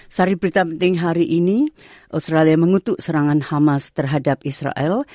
sari berita penting hari ini australia mengutuk serangan hamas terhadap israel